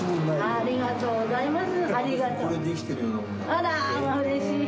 ありがとうございます。